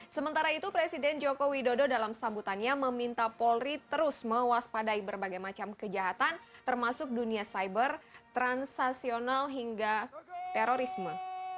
sementara itu presiden joko widodo dalam sambutannya meminta polri terus mewaspadai berbagai macam kejahatan termasuk dunia cyber transaksional hingga terorisme